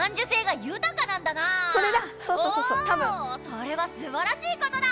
それはすばらしいことだ。